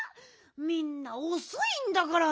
みんなおそいんだから。